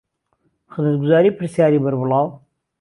خزمەتگوزارى پرسیارى بەربڵاو